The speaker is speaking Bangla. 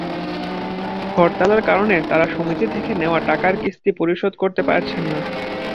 হরতালের কারণে তাঁরা সমিতি থেকে নেওয়া টাকার কিস্তি পরিশোধকরতে পারছেন না।